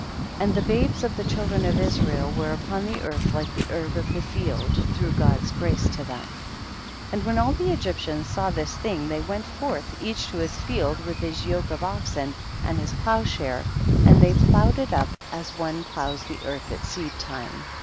57. And the babes of the children of Israel were upon the earth like the herb of the field, through God's grace to them. 58. And when all the Egyptians saw this thing, they went forth, each to his field with his yoke of oxen and his ploughshare, and they ploughed it up as one ploughs the earth at seed time.